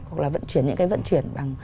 hoặc là vận chuyển những cái vận chuyển bằng